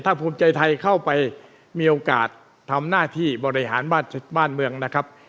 ถ้าภูมิใจไทยเข้าไปมีโอกาสทำหน้าที่บริหารบ้านเมืองนะครับ